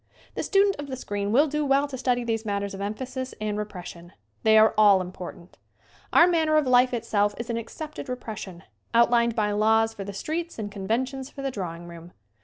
The student of the screen will do well to study these matters of emphasis and repres sion. They are all important. Our manner of life itself is an accepted repression, outlined by laws for the streets and conventions for the drawing room.